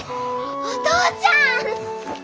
お父ちゃん！